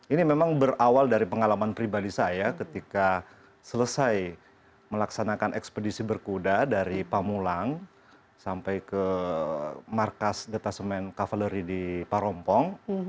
ini memang berawal dari pengalaman pribadi saya ketika selesai melaksanakan ekspedisi berkuda dari pamulang sampai ke markas detasemen cavaleri di parompong